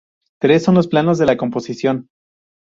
Tres son los planos de la composición.